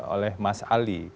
oleh mas ali